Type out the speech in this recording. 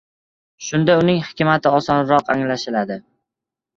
Shunda uning hikmati osonroq anglashiladi.